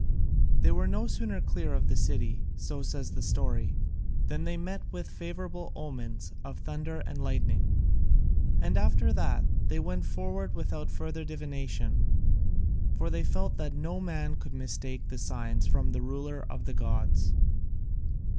They were no sooner clear of the city, so says the story, than they met with favourable omens of thunder and lightning, and after that they went forward without further divination, for they felt that no man could mistake the signs from the Ruler of the gods.